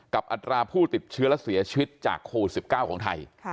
อัตราผู้ติดเชื้อและเสียชีวิตจากโควิด๑๙ของไทย